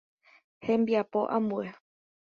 Hembiapo ambue.